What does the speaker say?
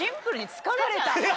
疲れた。